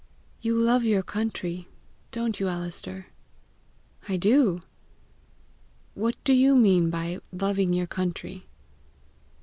"You love your country don't you, Alister?" "I do." "What do you mean by LOVING YOUR COUNTRY?"